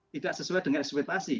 tidak sesuai dengan ekspektasi